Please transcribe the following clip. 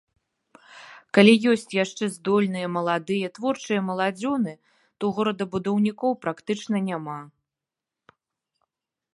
Калі ёсць яшчэ здольныя, маладыя, творчыя маладзёны, то горадабудаўнікоў практычна няма.